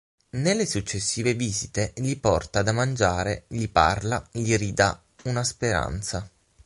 Nelle successive visite gli porta da mangiare, gli parla, gli ridà una speranza.